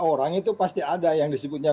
orang itu pasti ada yang disebutnya